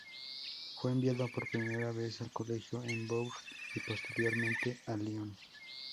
Fue enviado por primera vez al colegio en Bourg y posteriormente a Lyon.